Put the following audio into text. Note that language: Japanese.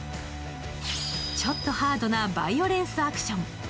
ちょっとハードなバイオレンスアクション。